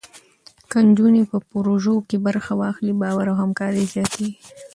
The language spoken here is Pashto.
که نجونې په پروژو کې برخه واخلي، باور او همکاري زیاتېږي.